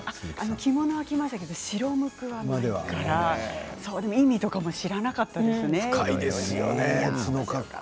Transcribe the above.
着物は着ましたけれども白むくは着なかったので意味とかも知らなかったですね。